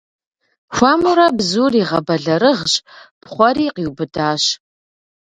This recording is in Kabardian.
Хуэмурэ бзур игъэбэлэрыгъщ, пхъуэри, къиубыдащ.